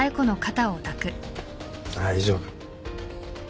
大丈夫。